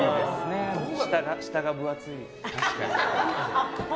下が分厚い。